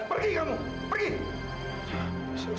pergi kamu pergi